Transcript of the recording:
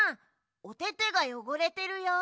おててがよごれてるよ。